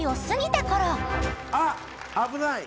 「あっ危ない」